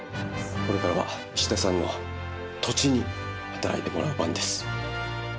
これからは石田さんの土地に働いてもらう番です。